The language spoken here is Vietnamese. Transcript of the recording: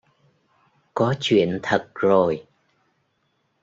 có chuyện thật rồi